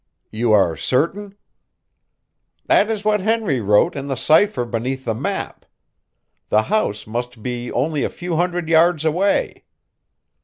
"You are certain?" "That is what Henry wrote in the cipher beneath the map. The house must be only a few hundred yards away."